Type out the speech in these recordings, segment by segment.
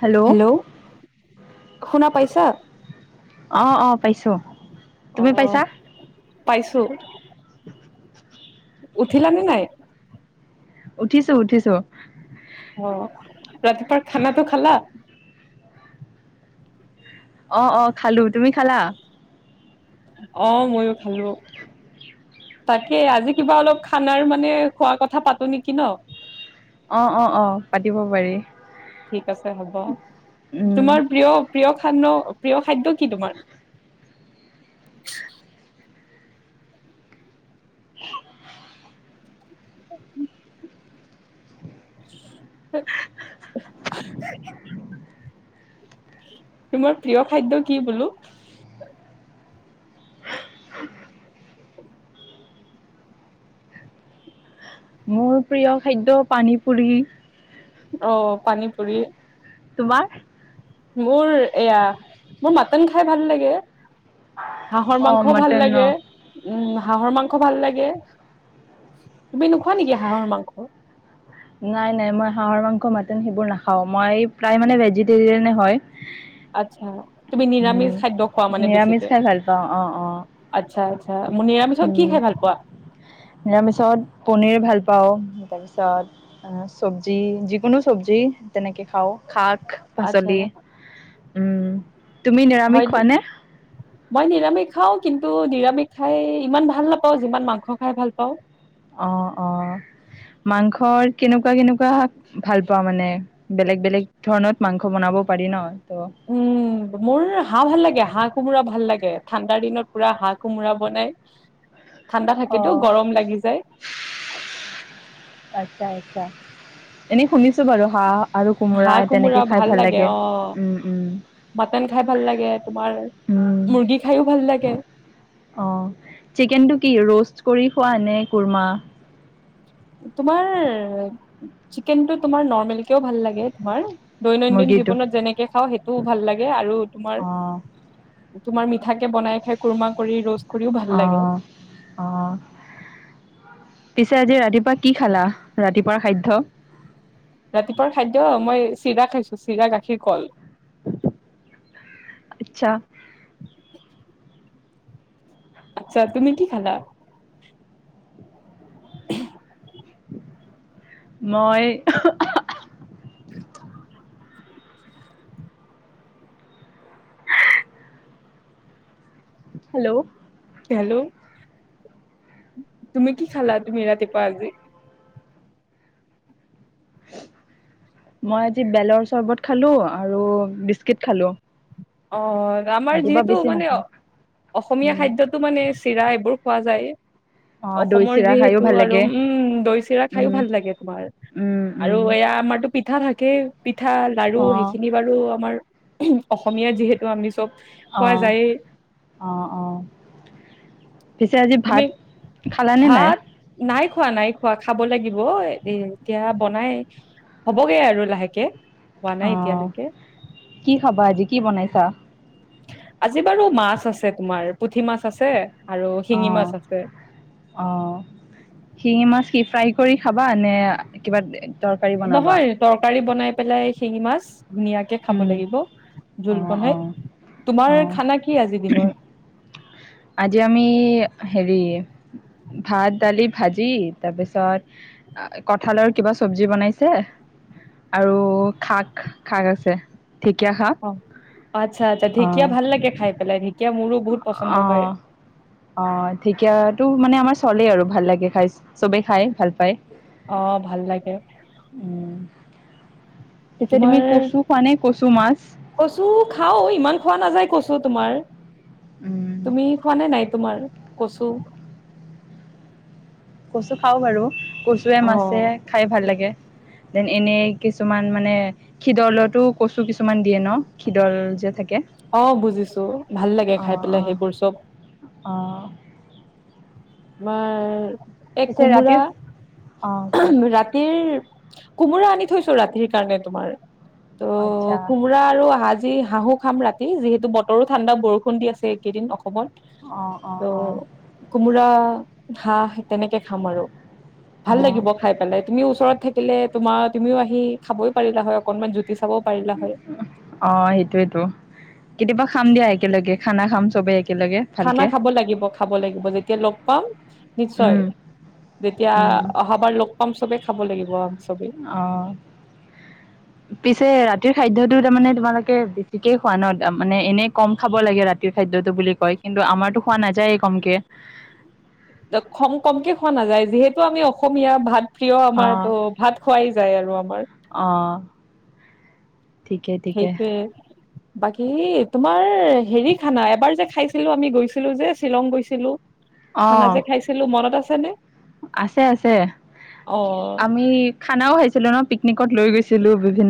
Hello শুনা পাইছা? অ', অ', পাইছোঁ। অ', পাইচ চো উঠিলা নে, নাই? উঠিছোঁ, উঠিছোঁ। অ', ৰাতিপুৱাৰ খানাটো খালা? অ', অ', খালোঁ, তুমি খালা? অ', ময়ো খালোঁ। তাকেই আজি কিবা অলপ খানাৰ মানে খোৱা কথা পাতো নেকি ন'। অ', অ', অ', পাত দিব পাৰি। ঠিক আছে হ'ব, উম তোমাৰ প্ৰিয় প্ৰিয় খান্ন প্ৰিয় খাদ্য কি তোমাৰ? [inaudible] [inaudible] তোমাৰ প্ৰিয় খাদ্য কি বোলো? মোৰ প্ৰিয় খাদ্য পানীপুৰি। অ', পানীপুৰি। তোমাৰ? মোৰ এয়া, মোৰ মাটন খাই ভাল লাগে। হাঁহৰ অ মাংসও ভাল মটন ন লাগে, উম, মাহ হাঁহৰ মাংস ভাল লাগে, তুমি নোখোৱা নেকি হাঁহৰ মাংস? নাই, নাই মই হাঁহৰ মাংস, মাটন সেইবোৰ নাখাও মই প্ৰায় মানে ভেজিটেৰিয়ানে হয়। আচ্ছা, তুমি উম নিৰামিষ খাদ্য খোৱা মানে নিৰামিষ বেছিকে, খাই ভাল পাওঁ অ অ আচ্ছা, আচ্ছা, নিৰামিষত উম কি খাই ভাল পোৱা? নিৰামিষত পনীৰ ভাল পাওঁ তাৰপিছত আ, চব্জি যিকোনো, চব্জি তেনেকে খাওঁ শাক আচ্ছা। পাচলি উম। তুমি নিৰামিষ হয় নি খোৱানে? মই নিৰামিষ খাওঁ, কিন্তু নিৰামিষ খাই ইমান ভাল নাপাওঁ, যিমান মাংস খাই ভাল পাওঁ। অ', অ', মাংসৰ কেনেকুৱা, কেনেকুৱা ভাল পোৱা মানে? বেলেগ, বেলেগ ধৰণত মাংস বনাব পাৰি ন? ত' উম, মোৰ হাঁহ ভাল লাগে হাঁহ, কোমোৰা ভাল লাগে, ঠাণ্ডাৰ দিনত পুৰা হাঁহ, কোমোৰা বনায়। ঠাণ্ডা থাকেতো, অ', গৰম লাগি যায়। আচ্ছা এনেই শুনিছোঁ বাৰু হাঁহ হাঁহ, কোমোৰা ভাল লাগে উম, অ', উম, মাটন খাই ভাল লাগে তোমাৰ উম, মুৰ্গী খায়ো ভাল লাগে। অ', চিকেনটো কি, ৰষ্ট কৰি খোৱানে কুৰমা? তোমাৰ চিকেনটো তোমাৰ নৰ্মেল কেয়ো ভাল লাগে তোমাৰ দৈনন্দিন মুৰ্গীটো? জীৱনত যেনেকে খাওঁ, সেইটোও ভাল লাগে আৰু তোমাৰ অ', তোমাৰ মিঠাকে বনাই খায়, কুৰমা কৰি ৰষ্ট কৰিও ভাল লাগে। অ', অ'। পিছে আজি ৰাতিপুৱা কি খালা ৰাতিপুৱাৰ খাধ্য? ৰাতিপুৱাৰ খাদ্য মই চিৰা খাইছোঁ, চিৰা, গাখীৰ, কল। আচ্ছা। আচ্ছা, তুমি কি খালা? [inaudible] মই [inaudible] হেল্ল'। হেল্ল', তুমি কি খালা তুমি ৰাতিপুৱা আজি? মই আজি বেলৰ চৰ্বত খালোঁ আৰু বিস্কিট খালোঁ। অ'। আমাৰ যিহেতু মানে অসমীয়া উম খাদ্যটো মানে চিৰা এইবোৰ পোৱা যায়ে। অ দৈ অসমৰ চিৰা খাইও যিহেতু ভাল আৰু লাগে উম, দৈ চিৰা খাইও উম ভাল লাগে তোমাৰ উম উম আৰু এয়া আমাৰটো পিঠা থাক কে পিঠা লাৰু অ সেইখিনি বাৰু আমাৰ অস য়াত যিহেতু আমি চব অ খোৱা যায়েই। অ অ পিছে আজি তুমি ভাত খালানে নাই? ভাত নাই খোৱা, নাই খোৱা, খাব লাগিব এ এতিয়া বনাই হ'বগে আৰু লাহেকে। হোৱা নাই অ' এতিয়ালৈকে কি খাবা? আজি কি বনাই- ছা? আজি বাৰু মাছ আছে তোমাৰ, পুঠি মাছ আছে আৰু অ শিঙি মাছ আছে। অ শিঙি মাছ কি ফ্ৰাই কৰি- খাবা নে' কিবা তৰকাৰী বনাবা? নহয় তৰকাৰী বনাই পেলাই শিঙি মাছ ধুনীয়াকে খাব উম লাগিব অ জোল অ বনাই অ তোমাৰ। খানা কি আজি দিনৰ? আজি আমি হেৰি ভাত, দালি, ভাজি তাৰপিছত কঠালৰ কিবা চব্জি বনাইছে আৰু খাক, খাক আছে। ঢেকীয়া শাক অ' আতচ্ছা আতচ্ছা অ ঢেঁকীয়া ভাল লাগে খাই পেলাই ঢেঁকীয়া মোৰো বহুত পচন্দ। হয় অ' অ' ঢেঁকীয়াটো মানে আমাৰ চলে আৰু ভাল লাগে। খাই, চবে খাই ভাল পায়। অ' ভাল লাগে। উম পিছে তুমি তোমাৰ কচু খোৱা নে কচু মাছ কচু খাওঁ, ইমান খোৱা নাযায় কচু- চু তোমাৰ। উম তুমি খোৱা নে নাই, তোমাৰ- কচু? কচু খাওঁ বাৰু কচুৱে অ মাছে খাই ভাল লাগে। দেন এনেই কিছুমান মানে খিদলতো কচু কিছুমান দিয়ে ন'? খিদল যে থা- অ' বুজিছো, ভাল লাগে খাই অ পেলাই সেইবোৰ চব। অ' তোমাৰ- এক পিছে কোমোৰা ৰাতিৰ অ' ক ৰাতিৰ- কোমোৰা আনি থৈছো ৰাতিৰ কাৰণে তোমাৰ। আচ্ছা তো' কোমোৰা আৰু হা- জি হাঁহো খাম ৰাতি। যিহেতু বতৰো ঠাণ্ডা বৰষুণ দি আছে এইকেইদিন অসমত। অ' কোমোৰা- হাঁহ, তেনেকে খাম আৰু। ভাল অ' লাগিব খাই পেলাই। তুমিও ওচৰত থাকি- থাকিলে তোমাৰ তুমিও আহি খাবই পাৰিলা হয় অকনমান জু- অ' সেইটোৱেইতো কেতিয়াবা- খাম দিয়া একেলগে, খানা খাম চবে এক খানা খাব লাগিব খাব লাগিব যেতিয়া লগ পাম নিশ্চয়, উম যেতিয়া উম অহাবাৰ লগ পাম চবে খাব লাগিব আমি চবেই। অ' পিছে ৰাতিৰ খাদ্যটো তামানে তোমালোকে বেছিকে খোৱা ন? মানে এনেই কম খাব লাগে ৰাতিৰ খাদ্যটো বুলি কয়, কিন্তু আমাৰতো খোৱা নাযায়ে কমকে। অ', খম, কমকে খোৱা নাযায়, যিহেতু আমি অসমীয়া ভাত প্ৰিয় আমাৰ অ' ত' ভাত খোৱাই যায় আৰু আমাৰ। অ' ঠিকে, ঠিকে। সেইটোয়ে বাকী তোমাৰ হেৰি খানা এবাৰ যে, খাইছিলোঁ আমি গৈছিলোঁ যে, শ্বিলং গৈছিলোঁ। খানা অ' যে, খাইছিলোঁ মনত আছ চেনে আছে, আছে আমি খানাও খাইছিলোঁ ন' পিক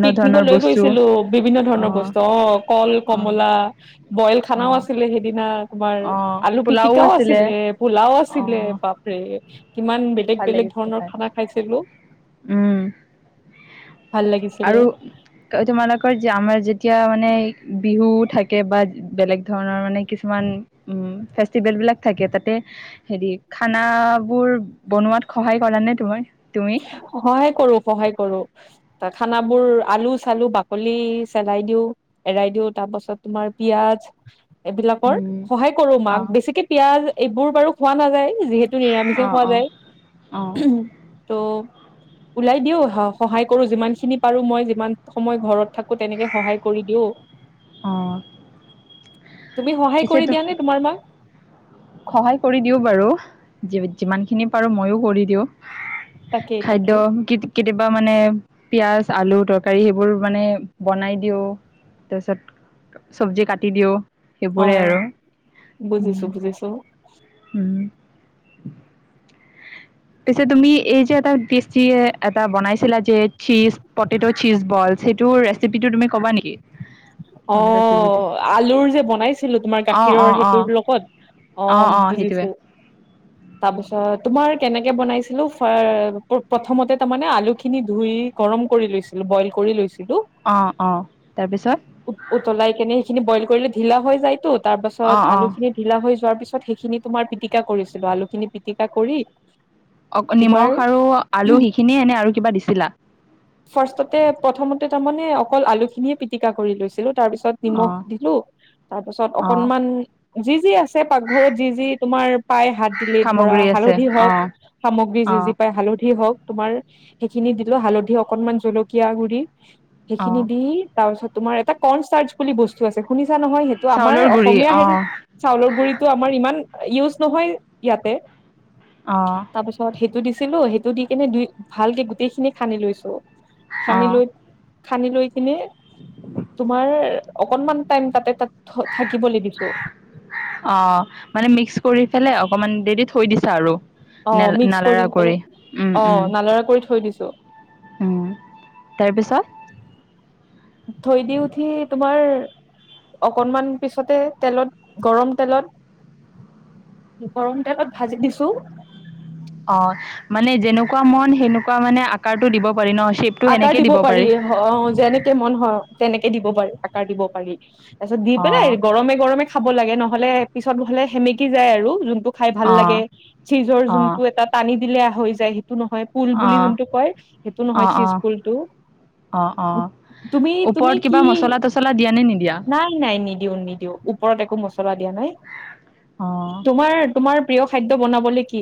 পিকনিকত লৈ গৈছিলোঁ বিভিন্ন ধৰণৰ অ' বস্তু, অ', কল, অ' কমলা, বইল খানাও অ' আছিলে, সেইদিনা তোমাৰ অ আলু পোলাও পিটিকাও আছিলে, পোলাও অ আছিলে, বাপৰে কিমান বেলেগ, ভাল বেলেগ লাগিছিলে ধৰণৰ খাই খানা খাইছিলোঁ। উম আৰু তোমালোকৰ যে, আমাৰ যেতিয়া মানে বিহু থাকে বা বেলেগ ধৰণৰ মানে কিছুমান উম, ফেষ্টিভেল বিলাক থাকে তাতে হেৰি খানাবোৰ বনোৱাত সহায় কৰা নে তোমাৰ? তুমি সহায় কৰোঁ, সহায় কৰোঁ খানা বোৰ আলু চালো বাকলি চেলাই দিওঁ, এৰাই দিওঁ তাৰপাছত তোমাৰ পিঁয়াজ এইবিলাকৰ উম সহায় কৰোঁ, অ মাক বেছিকে পিয়াঁজ এইবোৰ বাৰু খোৱা নাযায়। যিহেতু অ নিৰামিষে খোৱা অ অ যায়। ত' ওলাই দিওঁ সহায় কৰোঁ যিমানখিনি পাৰোঁ মই যিমান সময় ঘৰত থাকো তেনেকে সহায় কৰি দিওঁ। অ তুমি সহায় পিছে কৰি দিয়া নে তোমাৰ মাক? সহায় কৰি দিওঁ বাৰু যিমান খিনি পাৰোঁ ময়ো কৰি দিওঁ। তাকেই খাদ্য তাকেই কি কেতিয়াবা মানে পিঁয়াজ, আলু, তৰকাৰী সেইবোৰ মানে বনাই দিওঁ তাৰপিছত চব্জি কাটি দিওঁ। সেইবোৰে আৰু অ', উম, বুজিছোঁ, বুজিছোঁ। পিছে তুমি এই যে এটা এটা বনাইছিলা যে চীজ পটেটো, চীজ বল সেইটো ৰেচিপিটো তুমি ক'বা নেকি? মনত আছে যদি অ', আলুৰ যে বনাইছিলো তোমাৰ অ অ গাখীৰৰ অ সেইটোৰ লগত। অ', বুজিছোঁ তাৰপিছত তোমাৰ কেনেকে বনাইছিলো ফাৰ প্ৰথমতে তাৰমানে আলুখিনি ধুই গৰম কৰি লৈছিল ব'ইল কৰি লৈছিলো। অ', অ', তাৰপিছত? উ-উতলাই কেনে সেইখিনি ব'ইল কৰিলে ঢিলা হৈ যায়টো। তাৰ অ পাছত অ আলু খিনি ঢিলা হৈ যোৱাৰ পিছত সেইখিনি তোমাৰ পিটিকা কৰিছিলো, আলু খিনি পিটিকা কৰি। অকল তোমাৰ নিমখ আৰু আলু সিখিনিয়ে নে, আৰু কিবা দিছিলা? ফাৰ্ষ্টতে প্ৰথমতে তাৰমানে অকল আলুখিনিয়ে পিটিকা কৰি লৈছিলো। তাৰ পিছত অ নিমখ দিলো, তাৰ পিছত অ অকনমান জি জি আছে পাকঘৰত যি যি তোমাৰ পাই হাত দিলে ধৰা সামগ্ৰী আছে হালধি হওঁক সামগ্ৰী অ যি অ যি পাই হালধি হওঁক। তোমাৰ সেইখিনি দিলে হালধি অকনমান জলকীয়া গুৰি অ সেইখিনি দি তাৰপিছত তোমাৰ এটা কনচাৰ্চ বুলি বস্তু আছে শুনি ছা নহয় সেইটো আমাৰ চাউলৰ গুৰি অসমীয়া অ হেৰিত চাউলৰ গুৰিতো আমাৰ ইমান ইউজ নহয় ইয়াতে অ তাৰপিছত সেইটো দি ছিলো সেইটো দি কিনে দুই ভালকে গোটেই খিনি সানি লৈছো। অ সানি লৈ সানিলৈ এনে তোমাৰ অকনমান টাইম তাতে তাত থাকিবলৈ দিছো অ, মানে মিক্স কৰি পেলাই অক অকমান দেৰি থৈ দিছা আৰু। অ, নেল মিক্স নালাৰা কৰি পেনে উম অ উম নালৰা কৰি থৈ দিছ ত উম তাৰপিছত, থৈ দি উঠি তোমাৰ অকনমান পিছতে তেলত গৰম তেলত গৰম তেলত ভাজি দিছো। অ মানে যেনেকুৱা মন সেনেকুৱা মানে আকাৰটো দিব পাৰি ন শ্বেপটো আকাৰ সেনেকে দিব পাৰি, অ-অ যেনেকে মন হ তেনেকে দিব পাৰি আকাৰ দিব পাৰি, তাৰ পিছত দি অ পেলাই গৰমে-গৰমে খাব লাগে নহ'লে পিছত হলে সেমেকি যায়, আৰু যোন টো খাই ভাল অ লাগে চিজৰ অ অ জোনটো এটা টানি দিলা হৈ যায় হি টো নহয় পুল বুলি যোনটো অ কয়, সেইটো নহয় চিচ অ পুলটো অ অ তুমি-তুমি ওপৰত কি কিবা মছলা তছলা দিয়া নে নিদিয়া নাই-নাই নিদিওঁ নিদিওঁ ওপৰত একো মছলা দিয়া নাই। অ তোমাৰ, তোমাৰ প্ৰিয় খাদ্য বনাবলে কি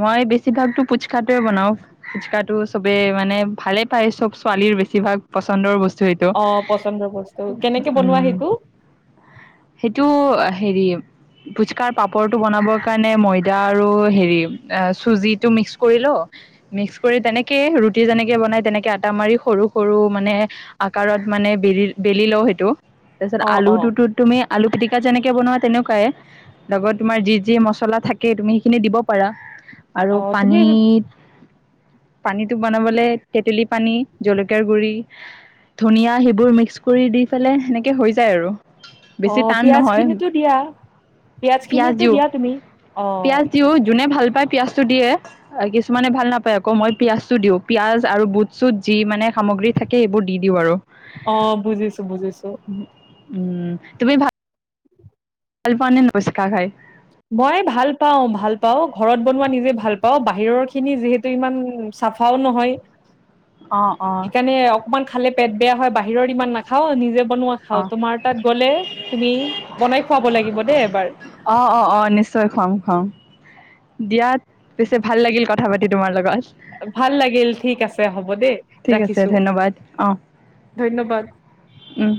মই বেছিভাগটো পুচকাটোৱে বনাওঁ। ফুচকাটো চবে মানে ভালে পায়, চব ছোৱালীৰ বেছিভাগ পচন্দৰ বস্ চ' সেইটো অ পচন্দৰ বস্তু কেনেকে বনোৱা উম, সেইটো সেইটো হেৰি ফুচকাৰ পাপৰটো বনাবৰ কাৰণে ময়দা আৰু হেৰি অ', চুজিটো মিক্স কৰি ল' মিক্স কৰি তেনেকে ৰুটি যেনেকে বনাই তেনেকে আটা মাৰি সৰু সৰু মানে আকাৰত মানে বেলি বেলি লওঁ সেইটো। তাৰপিছত অ অ আলুটোতো তুমি আলু পিটিক তা যেনেকে বনোৱা তেনেকুৱাই লগত তোমাৰ যি যি মছলা থাকে, তুমি সেইখিনি দিব পাৰা। আৰু অ তুমি পানীত পানীটো বনাবলে তেতেলী পানী, জলকীয়াৰ গুৰি, ধনিয়া সেইবোৰ মিক্স কৰি দি পেলাই সেনেকে হৈ যায় আৰু। বেছি অ', টান নহয় পিয়াঁজখিনিটো দিয়া, পিঁয়াজ পিয়াঁজখিনিটো দিওঁ দিয়া তুমি অ'। পিয়াঁজটো দিয়ে, কিছুমানে ভাল নাপায় আকৌ মই পিয়াঁজটো দিওঁ, পিয়াঁজ আৰু বুট চুট যি মানে সামগ্ৰী থাকে এইবোৰ দি দিওঁ আৰু। অ বুজিছো বুজিছো উম, তুমি ভাত ভালপোৱেনে ফুচকা খাই? মই ভাল পাওঁ, ভাল পাওঁ, ঘৰত বনোৱা নিজে ভাল পাওঁ, বাহিৰৰ খিনি যিহেতু ইমান চাফাও নহয়। অঁ অঁ সেইকাৰণে অকমান খালে পেট বেয়া হয়, বাহিৰৰ ইমান নাখাও নিজে বনোৱা খাওঁ, অঁ তোমাৰ তাত গ'লে তুমি বনাই খুৱাব লাগিব দেই এবাৰ। অঁ অঁ অঁ নিশ্চয় খুৱাম, খুৱাম দিয়াত পিছে ভাল লাগিল কথা পাতি তোমাৰ লগত। ভাল লাগিল, ঠিক আছে হ'ব। দেই ঠিক আছে, ৰাখিছো ধন্যবাদ, অ', ধন্যবাদ। উম।